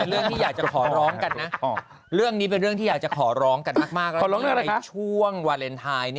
เรื่องนี้เนี่ยเป็นเรื่องที่อยากจะขอร้องกันนะ